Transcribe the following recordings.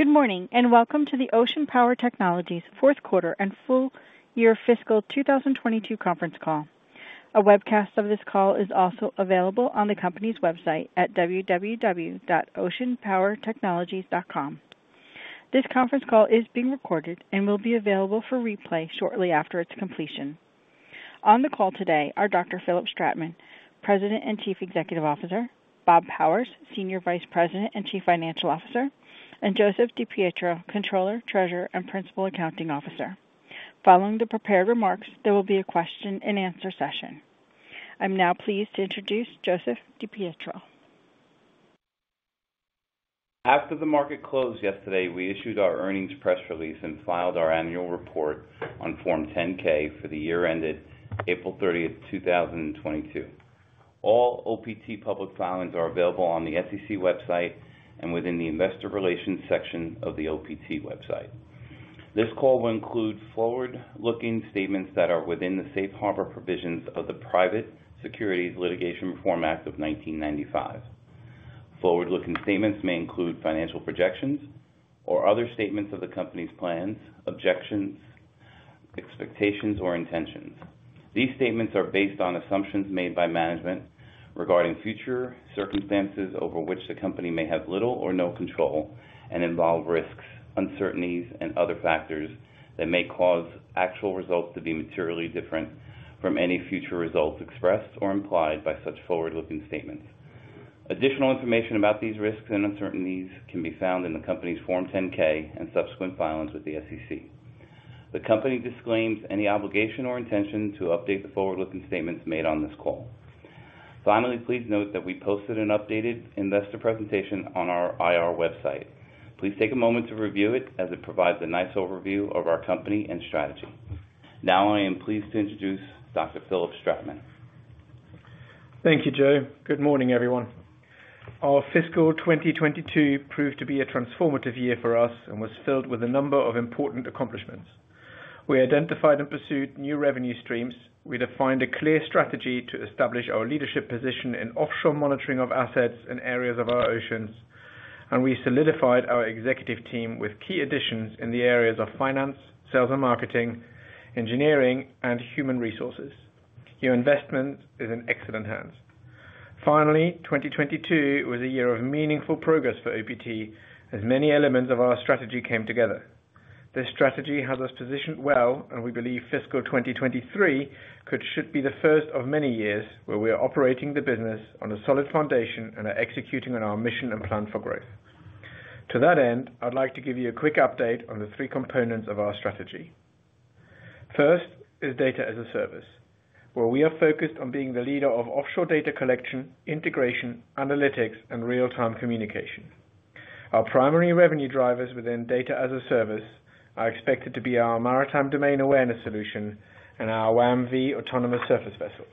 Good morning, and welcome to the Ocean Power Technologies fourth quarter and full year fiscal 2022 conference call. A webcast of this call is also available on the company's website at www.oceanpowertechnologies.com. This conference call is being recorded and will be available for replay shortly after its completion. On the call today are Dr. Philipp Stratmann, President and Chief Executive Officer, Bob Powers, Senior Vice President and Chief Financial Officer, and Joseph DiPietro, Controller, Treasurer, and Principal Accounting Officer. Following the prepared remarks, there will be a question-and-answer session. I'm now pleased to introduce Joseph DiPietro. After the market closed yesterday, we issued our earnings press release and filed our annual report on Form 10-K for the year ended April 30th, 2022. All OPT public filings are available on the SEC website and within the investor relations section of the OPT website. This call will include forward-looking statements that are within the Safe Harbor provisions of the Private Securities Litigation Reform Act of 1995. Forward-looking statements may include financial projections or other statements of the company's plans, objectives, expectations, or intentions. These statements are based on assumptions made by management regarding future circumstances over which the company may have little or no control and involve risks, uncertainties, and other factors that may cause actual results to be materially different from any future results expressed or implied by such forward-looking statements. Additional information about these risks and uncertainties can be found in the company's Form 10-K and subsequent filings with the SEC. The company disclaims any obligation or intention to update the forward-looking statements made on this call. Finally, please note that we posted an updated investor presentation on our IR website. Please take a moment to review it as it provides a nice overview of our company and strategy. Now I am pleased to introduce Dr. Philipp Stratmann. Thank you, Joe. Good morning, everyone. Our fiscal 2022 proved to be a transformative year for us and was filled with a number of important accomplishments. We identified and pursued new revenue streams. We defined a clear strategy to establish our leadership position in offshore monitoring of assets in areas of our oceans, and we solidified our executive team with key additions in the areas of finance, sales and marketing, engineering, and human resources. Your investment is in excellent hands. Finally, 2022 was a year of meaningful progress for OPT as many elements of our strategy came together. This strategy has us positioned well, and we believe fiscal 2023 should be the first of many years where we are operating the business on a solid foundation and are executing on our mission and plan for growth. To that end, I'd like to give you a quick update on the three components of our strategy. First is Data as a Service, where we are focused on being the leader of offshore data collection, integration, analytics, and real-time communication. Our primary revenue drivers within Data as a Service are expected to be our Maritime Domain Awareness solution and our WAM-V autonomous surface vessels.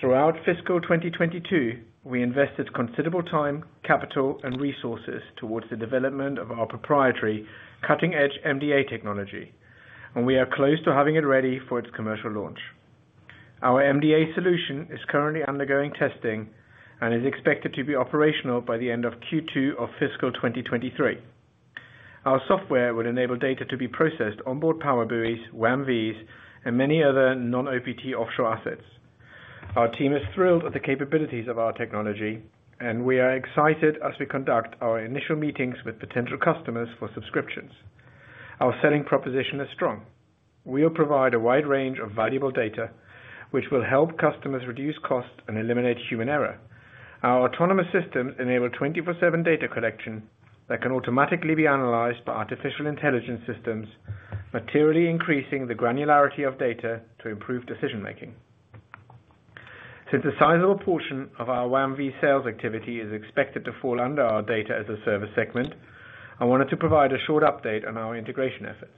Throughout fiscal 2022, we invested considerable time, capital, and resources towards the development of our proprietary cutting-edge MDA technology, and we are close to having it ready for its commercial launch. Our MDA solution is currently undergoing testing and is expected to be operational by the end of Q2 of fiscal 2023. Our software would enable data to be processed onboard PowerBuoys, WAM-Vs, and many other non-OPT offshore assets. Our team is thrilled with the capabilities of our technology, and we are excited as we conduct our initial meetings with potential customers for subscriptions. Our selling proposition is strong. We'll provide a wide range of valuable data which will help customers reduce costs and eliminate human error. Our autonomous systems enable 24/7 data collection that can automatically be analyzed by artificial intelligence systems, materially increasing the granularity of data to improve decision-making. Since a sizable portion of our WAM-V sales activity is expected to fall under our Data as a Service segment, I wanted to provide a short update on our integration efforts.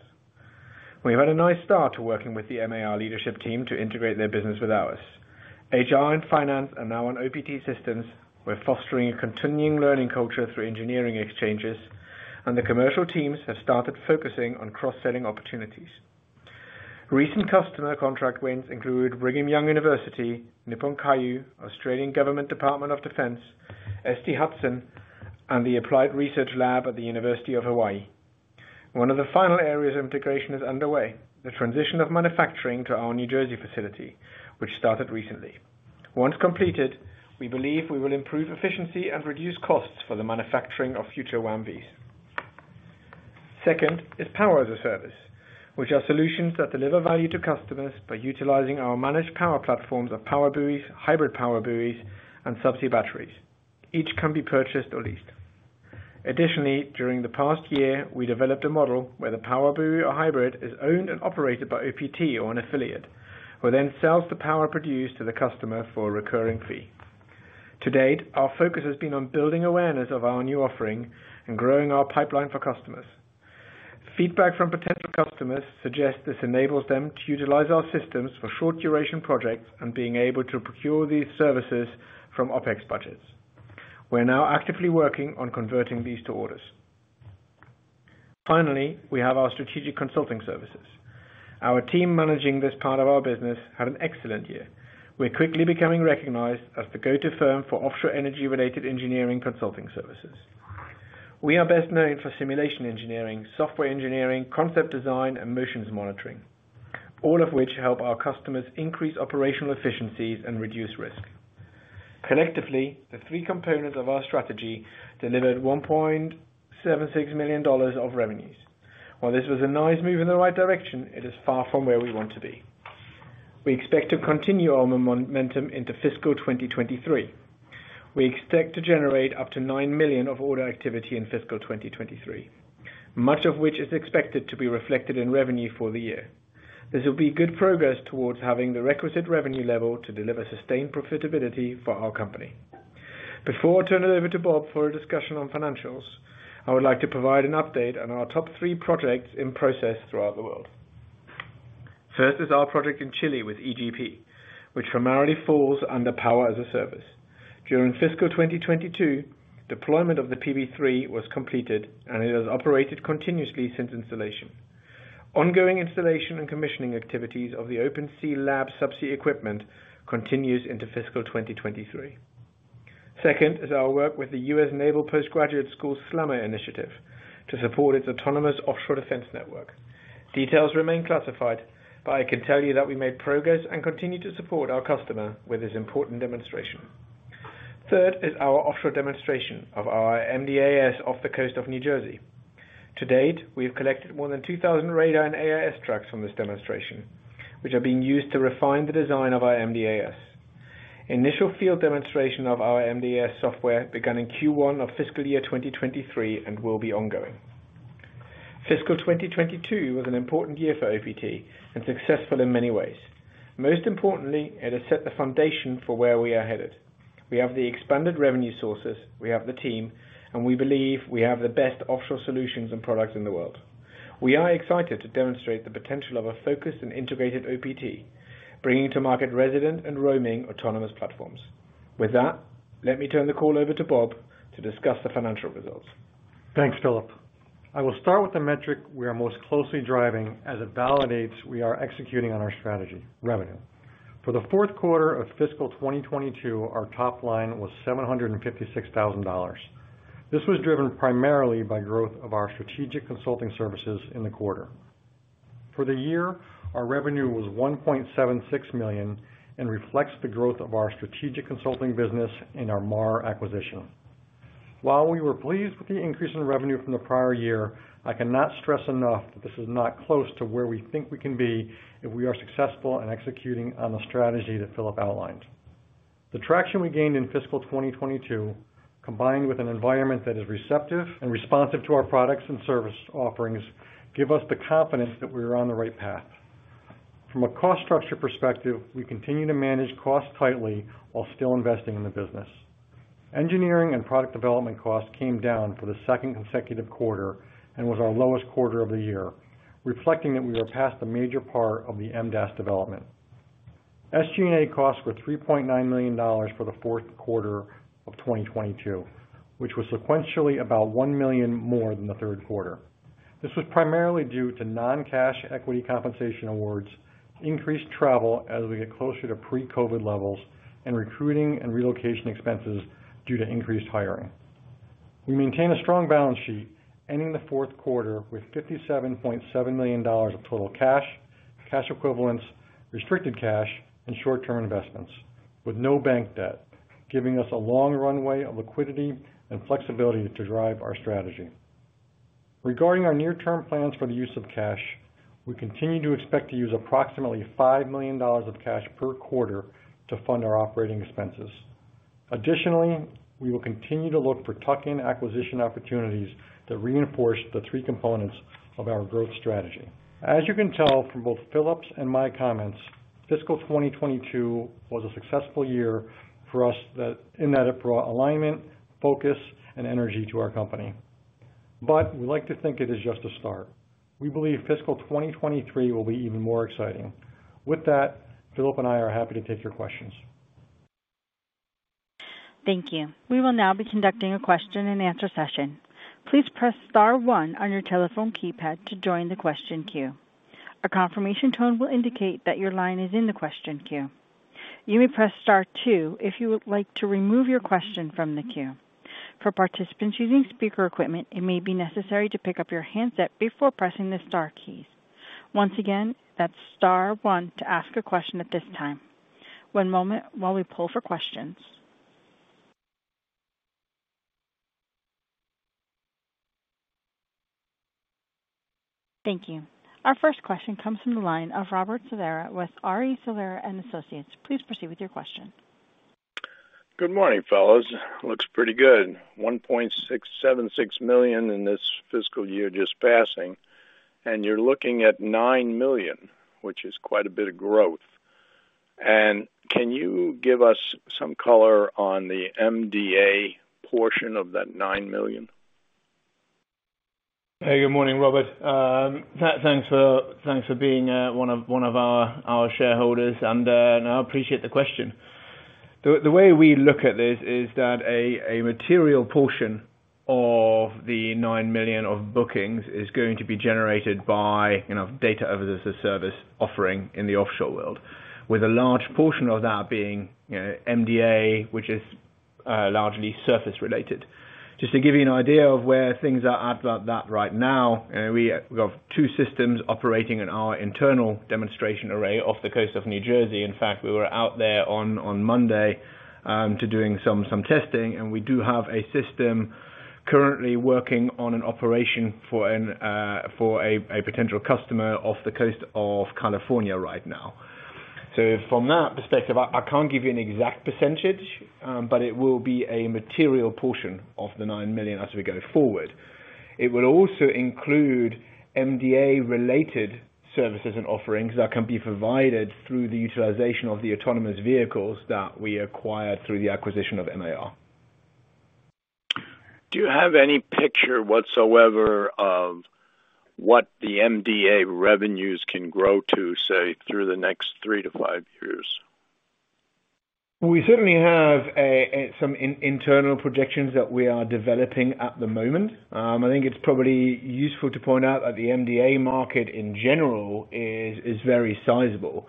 We have had a nice start to working with the MAR leadership team to integrate their business with ours. HR and finance are now on OPT systems. We're fostering a continuing learning culture through engineering exchanges, and the commercial teams have started focusing on cross-selling opportunities. Recent customer contract wins include Brigham Young University, Nippon Kaiji Kyokai, Australian Government Department of Defence, ST Hudson Engineers, and the Applied Research Laboratory at the University of Hawaii. One of the final areas of integration is underway, the transition of manufacturing to our New Jersey facility, which started recently. Once completed, we believe we will improve efficiency and reduce costs for the manufacturing of future WAM-Vs. Second is Power as a Service, which are solutions that deliver value to customers by utilizing our managed power platforms of PowerBuoy, hybrid PowerBuoy, and subsea batteries. Each can be purchased or leased. Additionally, during the past year, we developed a model where the PowerBuoy or hybrid is owned and operated by OPT or an affiliate who then sells the power produced to the customer for a recurring fee. To date, our focus has been on building awareness of our new offering and growing our pipeline for customers. Feedback from potential customers suggests this enables them to utilize our systems for short-duration projects and being able to procure these services from OpEx budgets. We're now actively working on converting these to orders. Finally, we have our strategic consulting services. Our team managing this part of our business had an excellent year. We're quickly becoming recognized as the go-to firm for offshore energy-related engineering consulting services. We are best known for simulation engineering, software engineering, concept design, and missions monitoring, all of which help our customers increase operational efficiencies and reduce risk. Collectively, the three components of our strategy delivered $1.76 million of revenues. While this was a nice move in the right direction, it is far from where we want to be. We expect to continue our momentum into fiscal 2023. We expect to generate up to $9 million of order activity in fiscal 2023, much of which is expected to be reflected in revenue for the year. This will be good progress towards having the requisite revenue level to deliver sustained profitability for our company. Before I turn it over to Bob for a discussion on financials, I would like to provide an update on our top three projects in process throughout the world. First is our project in Chile with EGP, which primarily falls under Power as a Service. During fiscal 2022, deployment of the PB3 was completed, and it has operated continuously since installation. Ongoing installation and commissioning activities of the Open Sea Lab subsea equipment continues into fiscal 2023. Second is our work with the Naval Postgraduate School SLAMR Initiative to support its autonomous offshore defense network. Details remain classified, but I can tell you that we made progress and continue to support our customer with this important demonstration. Third is our offshore demonstration of our MDAS off the coast of New Jersey. To date, we have collected more than 2,000 radar and AIS tracks from this demonstration, which are being used to refine the design of our MDAS. Initial field demonstration of our MDAS software began in Q1 of fiscal year 2023 and will be ongoing. Fiscal 2022 was an important year for OPT and successful in many ways. Most importantly, it has set the foundation for where we are headed. We have the expanded revenue sources, we have the team, and we believe we have the best offshore solutions and products in the world. We are excited to demonstrate the potential of a focused and integrated OPT, bringing to market resident and roaming autonomous platforms. With that, let me turn the call over to Bob to discuss the financial results. Thanks, Philipp. I will start with the metric we are most closely driving as it validates we are executing on our strategy, revenue. For the fourth quarter of fiscal 2022, our top line was $756,000. This was driven primarily by growth of our strategic consulting services in the quarter. For the year, our revenue was $1.76 million and reflects the growth of our strategic consulting business in our MAR acquisition. While we were pleased with the increase in revenue from the prior year, I cannot stress enough that this is not close to where we think we can be if we are successful in executing on the strategy that Philipp outlined. The traction we gained in fiscal 2022, combined with an environment that is receptive and responsive to our products and service offerings, gives us the confidence that we are on the right path. From a cost structure perspective, we continue to manage costs tightly while still investing in the business. Engineering and product development costs came down for the second consecutive quarter and was our lowest quarter of the year, reflecting that we are past the major part of the MDAS development. SG&A costs were $3.9 million for the fourth quarter of 2022, which was sequentially about $1 million more than the third quarter. This was primarily due to non-cash equity compensation awards, increased travel as we get closer to pre-COVID levels, and recruiting and relocation expenses due to increased hiring. We maintain a strong balance sheet, ending the fourth quarter with $57.7 million of total cash equivalents, restricted cash, and short-term investments, with no bank debt, giving us a long runway of liquidity and flexibility to drive our strategy. Regarding our near-term plans for the use of cash, we continue to expect to use approximately $5 million of cash per quarter to fund our operating expenses. Additionally, we will continue to look for tuck-in acquisition opportunities that reinforce the three components of our growth strategy. As you can tell from both Philipp's and my comments, fiscal 2022 was a successful year for us that, in that it brought alignment, focus, and energy to our company. We like to think it is just a start. We believe fiscal 2023 will be even more exciting. With that, Philipp and I are happy to take your questions. Thank you. We will now be conducting a question and answer session. Please press star one on your telephone keypad to join the question queue. A confirmation tone will indicate that your line is in the question queue. You may press star two if you would like to remove your question from the queue. For participants using speaker equipment, it may be necessary to pick up your handset before pressing the star keys. Once again, that's star one to ask a question at this time. One moment while we poll for questions. Thank you. Our first question comes from the line of Robert Cervera with RE Cervera & Associates. Please proceed with your question. Good morning, fellows. Looks pretty good. $1.676 million in this fiscal year just passing, and you're looking at $9 million, which is quite a bit of growth. Can you give us some color on the MDA portion of that $9 million? Hey, good morning, Robert. Thanks for being one of our shareholders, and I appreciate the question. The way we look at this is that a material portion of the $9 million of bookings is going to be generated by, you know, Data as a Service offering in the offshore world, with a large portion of that being, you know, MDA, which is largely surface related. Just to give you an idea of where things are at right now, we have two systems operating in our internal demonstration array off the coast of New Jersey. In fact, we were out there on Monday to doing some testing, and we do have a system currently working on an operation for a potential customer off the coast of California right now. From that perspective, I can't give you an exact percentage, but it will be a material portion of the $9 million as we go forward. It will also include MDA related services and offerings that can be provided through the utilization of the autonomous vehicles that we acquired through the acquisition of MAR. Do you have any picture whatsoever of what the MDA revenues can grow to, say, through the next 3 years-5 years? We certainly have some internal projections that we are developing at the moment. I think it's probably useful to point out that the MDA market in general is very sizable.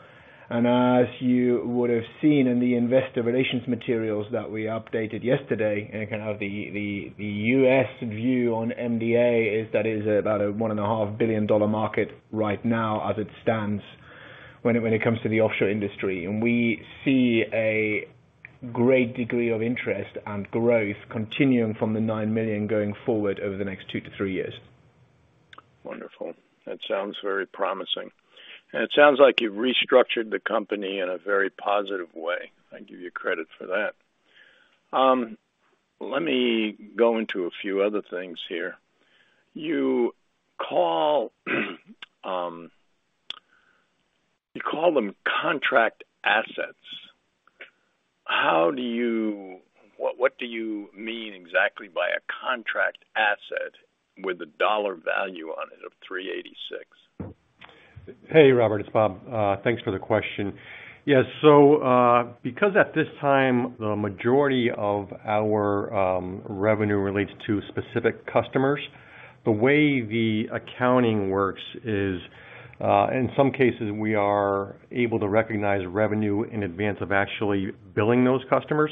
As you would have seen in the investor relations materials that we updated yesterday, kind of the U.S. view on MDA is that it is about a $1.5 billion market right now as it stands when it comes to the offshore industry. We see a great degree of interest and growth continuing from the $9 million going forward over the next 2 years-3 years. Wonderful. That sounds very promising. It sounds like you've restructured the company in a very positive way. I give you credit for that. Let me go into a few other things here. You call them contract assets. What do you mean exactly by a contract asset with a dollar value on it of $386? Hey, Robert, it's Bob. Thanks for the question. Yes. Because at this time, the majority of our revenue relates to specific customers, the way the accounting works is, in some cases, we are able to recognize revenue in advance of actually billing those customers,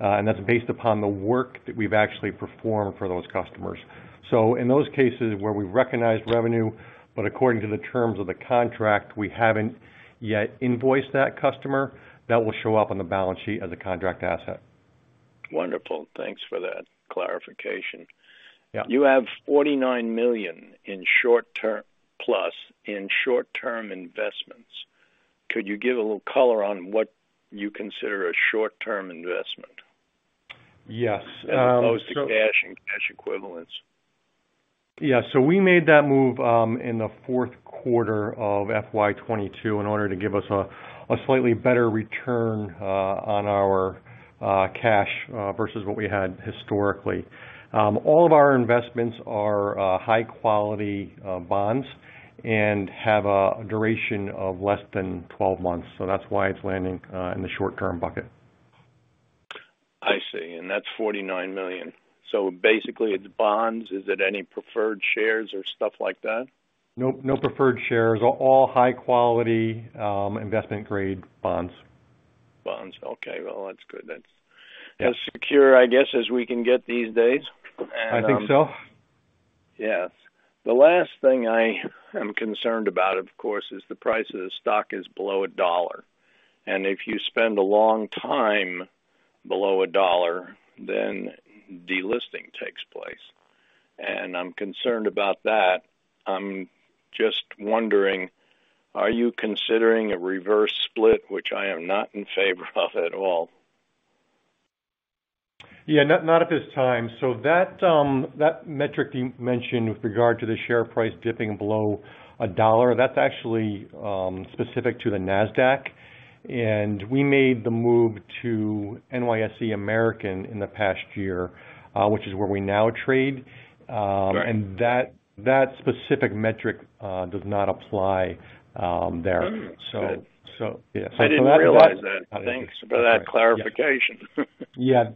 and that's based upon the work that we've actually performed for those customers. In those cases where we've recognized revenue, but according to the terms of the contract, we haven't yet invoiced that customer, that will show up on the balance sheet as a contract asset. Wonderful. Thanks for that clarification. Yeah. You have $49 million in short-term investments. Could you give a little color on what you consider a short-term investment? Yes. As opposed to cash and cash equivalents. Yeah. We made that move in the fourth quarter of FY 2022 in order to give us a slightly better return on our cash versus what we had historically. All of our investments are high-quality bonds and have a duration of less than 12 months. That's why it's landing in the short-term bucket. I see. That's $49 million. Basically it's bonds. Is it any preferred shares or stuff like that? No, no preferred shares. All high quality, investment grade bonds. Bonds. Okay. Well, that's good. Yeah. as secure, I guess, as we can get these days. I think so. Yes. The last thing I am concerned about, of course, is the price of the stock is below a dollar. If you spend a long time below a dollar, then delisting takes place. I'm concerned about that. I'm just wondering, are you considering a reverse split, which I am not in favor of at all? Yeah. Not at this time. That metric you mentioned with regard to the share price dipping below a dollar, that's actually specific to the Nasdaq. We made the move to NYSE American in the past year, which is where we now trade. Right. That specific metric does not apply there. Good. Yeah. I didn't realize that. Thanks for that clarification. Yeah.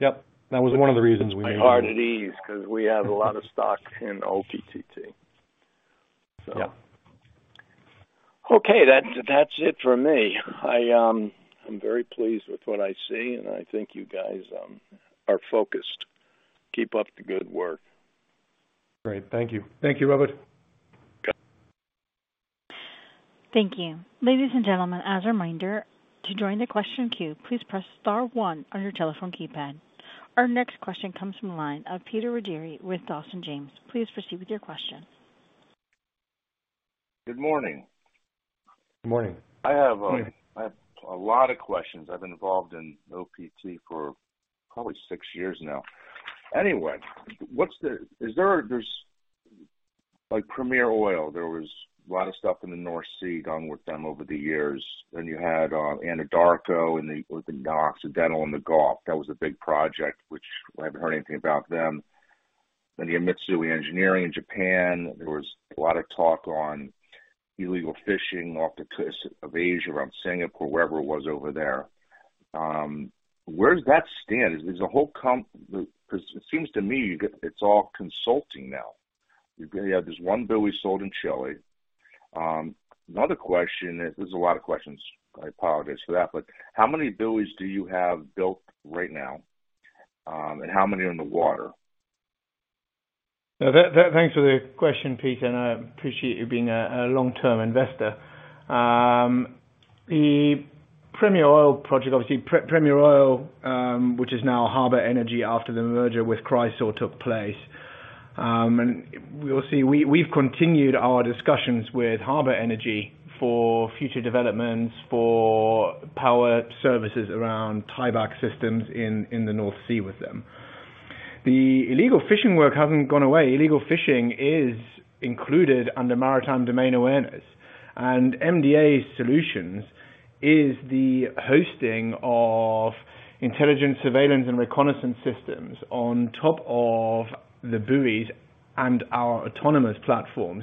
Yep. That was one of the reasons we made. My heart at ease because we have a lot of stock in OPTT. Yeah. Okay, that's it for me. I'm very pleased with what I see, and I think you guys are focused. Keep up the good work. Great. Thank you. Thank you, Robert. Okay. Thank you. Ladies and gentlemen, as a reminder, to join the question queue, please press star one on your telephone keypad. Our next question comes from the line of Peter Benevides with Dawson James, please proceed with your question. Good morning. Morning. I have a lot of questions. I've been involved in OPT for probably six years now. Anyway, there's like Premier Oil, there was a lot of stuff in the North Sea done with them over the years. You had Anadarko with the Occidental in the Gulf. That was a big project, which I haven't heard anything about them. You had Mitsui Engineering in Japan. There was a lot of talk on illegal fishing off the coast of Asia, around Singapore, wherever it was over there. Where does that stand? Because it seems to me it's all consulting now. You have this one buoy sold in Chile. Another question is, there's a lot of questions, I apologize for that, but how many buoys do you have built right now, and how many are in the water? Thanks for the question, Pete, and I appreciate you being a long-term investor. The Premier Oil project, obviously Premier Oil, which is now Harbour Energy after the merger with Chrysaor took place. We'll see. We've continued our discussions with Harbour Energy for future developments for power services around tieback systems in the North Sea with them. The illegal fishing work hasn't gone away. Illegal fishing is included under Maritime Domain Awareness. MDA Solutions is the hosting of intelligence, surveillance, and reconnaissance systems on top of the buoys and our autonomous platforms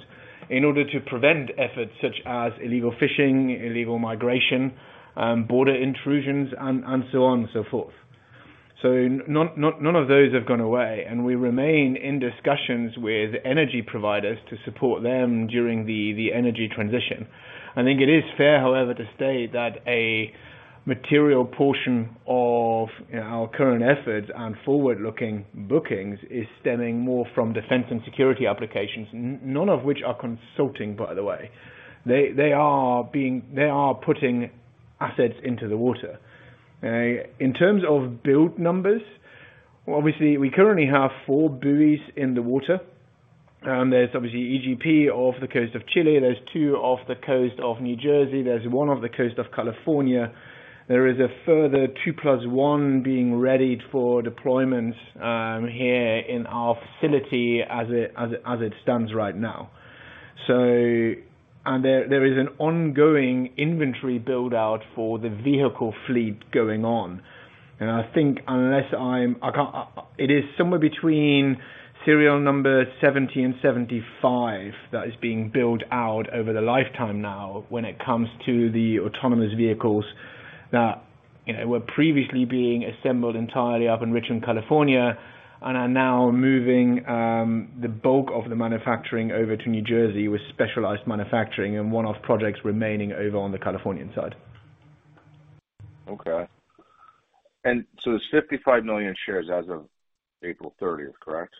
in order to prevent efforts such as illegal fishing, illegal migration, border intrusions and so on and so forth. None of those have gone away, and we remain in discussions with energy providers to support them during the energy transition. I think it is fair, however, to state that a material portion of our current efforts and forward-looking bookings is stemming more from defense and security applications, none of which are consulting, by the way. They are putting assets into the water. In terms of build numbers, obviously we currently have four buoys in the water. There's obviously EGP off the coast of Chile. There's two off the coast of New Jersey. There's 1 off the coast of California. There is a further 2+ 1 being readied for deployment, here in our facility as it stands right now. There is an ongoing inventory build-out for the vehicle fleet going on. I think unless I'm... It is somewhere between serial number 70 and 75 that is being built out over the lifetime now when it comes to the autonomous vehicles that, you know, were previously being assembled entirely up in Richmond, California, and are now moving the bulk of the manufacturing over to New Jersey with specialized manufacturing and one-off projects remaining over on the Californian side. Okay. There's 55 million shares as of April 30th, correct?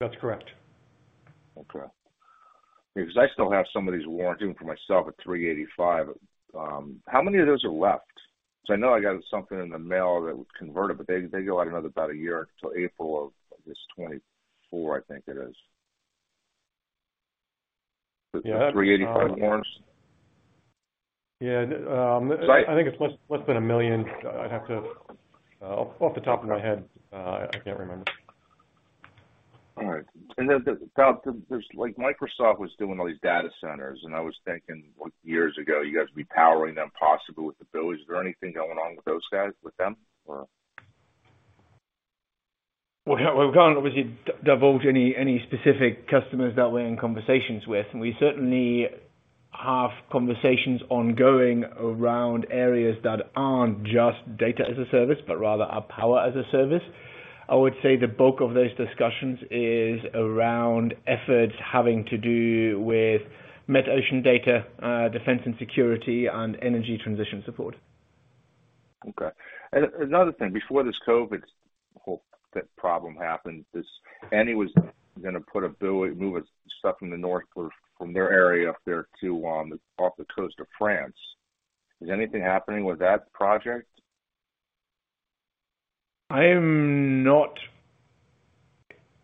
That's correct. Okay. Because I still have some of these warrants even for myself at $3.85. How many of those are left? I know I got something in the mail that would convert it, but they go out another about a year till April of this 2024, I think it is. Yeah. 385 warrants. Yeah. I think it's less than $1 million. Off the top of my head, I can't remember. All right. Bob, there's like Microsoft was doing all these data centers, and I was thinking years ago, you guys would be powering them possibly with the buoys. Is there anything going on with those guys, with them or? Well, we can't obviously divulge any specific customers that we're in conversations with, and we certainly have conversations ongoing around areas that aren't just Data as a Service, but rather are Power as a Service. I would say the bulk of those discussions is around efforts having to do with metocean data, defense and security and energy transition support. Okay. Another thing, before this COVID whole problem happened, is Eni was gonna put a buoy, move stuff from the North Sea, from their area up there to off the coast of France. Is anything happening with that project? I am not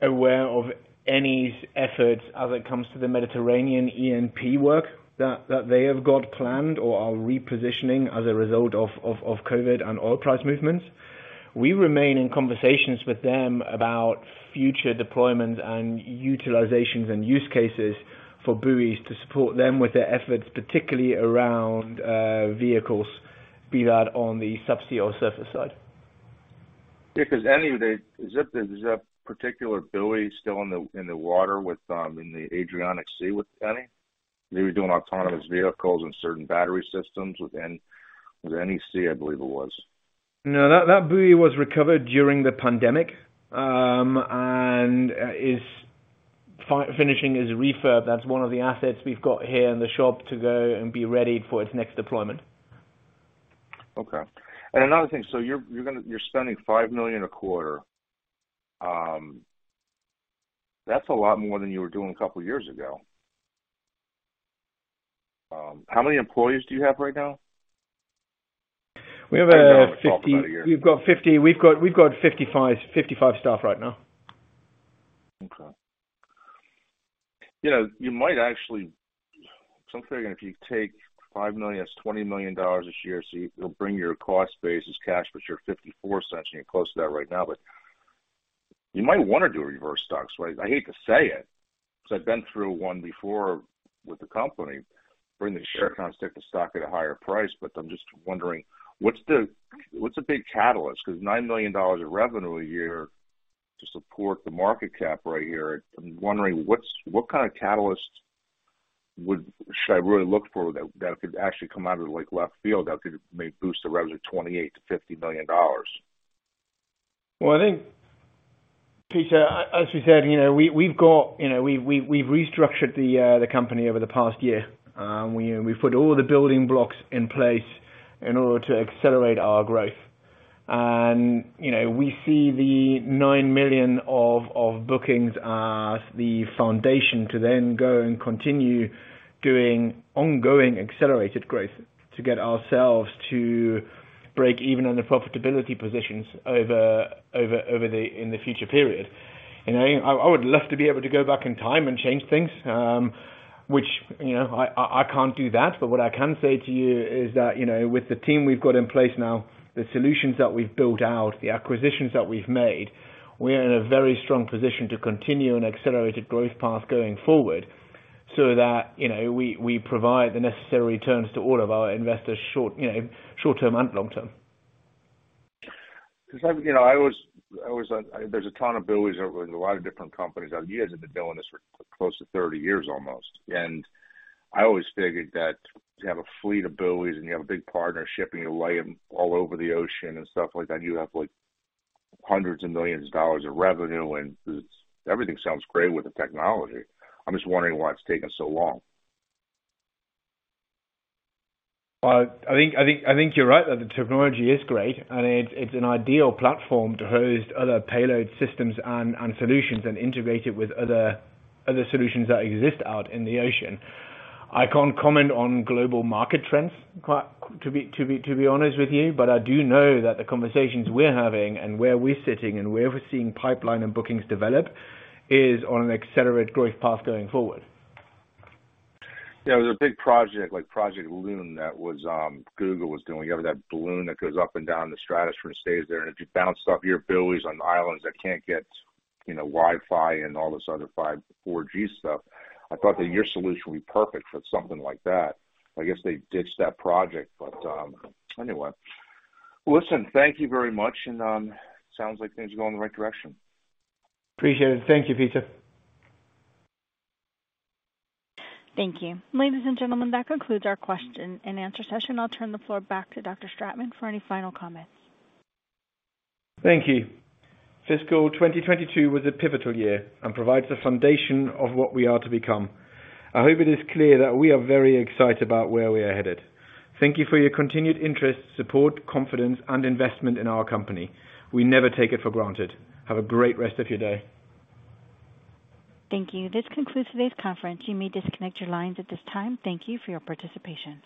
aware of any efforts as it comes to the Mediterranean E&P work that they have got planned or are repositioning as a result of COVID and oil price movements. We remain in conversations with them about future deployment and utilizations and use cases for buoys to support them with their efforts, particularly around vehicles, be that on the subsea or surface side. Yeah, because Eni. Is that particular buoy still in the water in the Adriatic Sea with Eni? They were doing autonomous vehicles and certain battery systems with Eni, I believe it was. No, that buoy was recovered during the pandemic, and is finishing its refurb. That's one of the assets we've got here in the shop to go and be readied for its next deployment. Okay. Another thing, you're spending $5 million a quarter. That's a lot more than you were doing a couple of years ago. How many employees do you have right now? We have 50- I haven't talked about a year. We've got 55 staff right now. Okay. You know, you might actually. I'm figuring if you take $5 million, that's $20 million this year, so it'll bring your cost base as cash, but you're $0.54, and you're close to that right now, but you might wanna do a reverse stock split. I hate to say it. 'Cause I've been through one before with the company, bring the share price of stock at a higher price, but I'm just wondering what's the. What's a big catalyst? 'Cause $9 million of revenue a year to support the market cap right here, I'm wondering what's, what kind of catalyst should I really look for that could actually come out of the, like, left field that could maybe boost the revenue $28 million-$50 million. I think, Peter, as we said, you know, we've got, you know, we've restructured the company over the past year. We've put all the building blocks in place in order to accelerate our growth. You know, we see the $9 million of bookings as the foundation to then go and continue doing ongoing accelerated growth to get ourselves to break even on the profitability positions over in the future period. You know, I would love to be able to go back in time and change things, which, you know, I can't do that. What I can say to you is that, you know, with the team we've got in place now, the solutions that we've built out, the acquisitions that we've made, we are in a very strong position to continue an accelerated growth path going forward so that, you know, we provide the necessary returns to all of our investors short-term and long-term. There's a ton of buoys over in a lot of different companies. I've years into doing this for close to 30 years almost. I always figured that to have a fleet of buoys and you have a big partner shipping you lay 'em all over the ocean and stuff like that, you have, like, $hundreds of millions of revenue, and everything sounds great with the technology. I'm just wondering why it's taking so long. I think you're right that the technology is great and it's an ideal platform to host other payload systems and solutions and integrate it with other solutions that exist out in the ocean. I can't comment on global market trends to be honest with you, but I do know that the conversations we're having and where we're sitting and where we're seeing pipeline and bookings develop is on an accelerated growth path going forward. Yeah. There was a big project, like Project Loon, that Google was doing. You have that balloon that goes up and down the stratosphere and stays there. If you bounce it off your buoys on the islands that can't get, you know, Wi-Fi and all this other 5G, 4G stuff, I thought that your solution would be perfect for something like that. I guess they ditched that project. Anyway. Listen, thank you very much, and sounds like things are going the right direction. Appreciate it. Thank you, Peter. Thank you. Ladies and gentlemen, that concludes our question and answer session. I'll turn the floor back to Dr. Stratmann for any final comments. Thank you. Fiscal 2022 was a pivotal year and provides the foundation of what we are to become. I hope it is clear that we are very excited about where we are headed. Thank you for your continued interest, support, confidence and investment in our company. We never take it for granted. Have a great rest of your day. Thank you. This concludes today's conference. You may disconnect your lines at this time. Thank you for your participation.